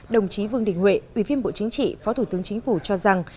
đồng chí vương đình huệ ủy viên bộ chính trị phó thủ tướng chính phủ cho rằng